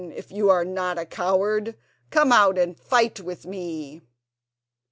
if you are not a coward, come out and fight with me!"